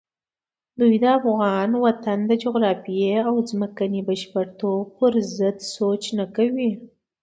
دوی د افغان وطن د جغرافیې او ځمکني بشپړتوب پرضد سوچ نه کوي.